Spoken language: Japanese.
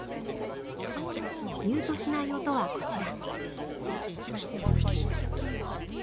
ミュートしない音はこちら。